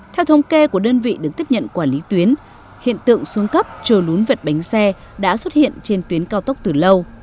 theo thống kê của đơn vị được tiếp nhận quản lý tuyến hiện tượng xuống cấp trồi lún vệt bánh xe đã xuất hiện trên tuyến cao tốc từ lâu